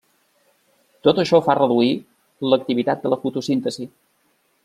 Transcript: Tot això fa reduir l'activitat de la fotosíntesi.